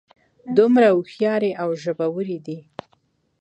دومره هوښیارې او ژبورې دي.